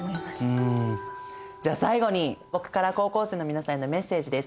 じゃあ最後に僕から高校生の皆さんへのメッセージです。